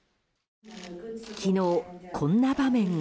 昨日、こんな場面が。